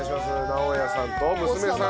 直也さんと娘さん。